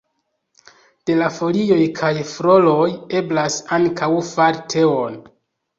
De la folioj kaj floroj eblas ankaŭ fari teon.